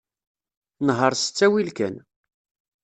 Nheṛ s ttawil kan.